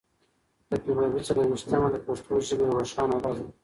د فبرورۍ څلور ویشتمه د پښتو ژبې یوه روښانه ورځ ده.